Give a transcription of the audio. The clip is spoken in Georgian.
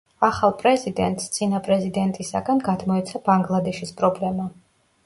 ახალ პრეზიდენტს წინა პრეზიდენტისაგან გადმოეცა ბანგლადეშის პრობლემა.